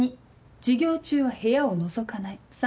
２授業中は部屋をのぞかない